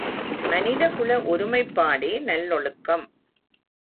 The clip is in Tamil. மனிதகுல ஒருமைப்பாடே நல்லொழுக்கம்.